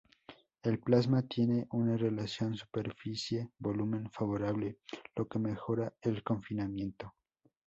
El plasma tiene una relación superficie-volumen favorable, lo que mejora el confinamiento.